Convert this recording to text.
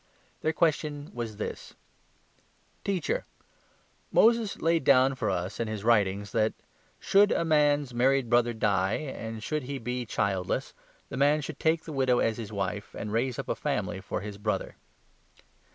Their Resurrection, question was this — "Teacher, Moses laid down for us in his writings that — 28 ' Should a man's married brother die, and should he be childless, the man should take the widow as his wife, and raise up a family for his brother.'